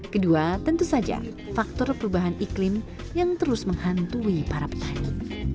kedua tentu saja faktor perubahan iklim yang terus menghantui para petani